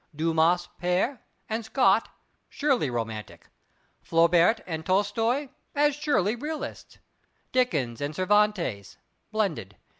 Dumas pere, and Scott, surely romantic; Flaubert and Tolstoy as surely realists; Dickens and Cervantes, blended.